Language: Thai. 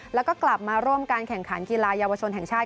แล้วก็กลับมาร่วมการแข่งขันกีฬาเยาวชนแห่งชาติ